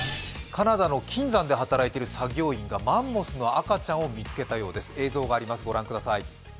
カナダの金山で働いている作業員がマンモスの赤ちゃんを見つけたようです。